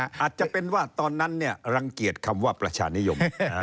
อาจจะเป็นว่าตอนนั้นรังเกียจคำว่าประชานิยม